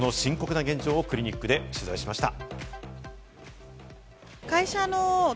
その深刻な現状をクリニックで取材しました。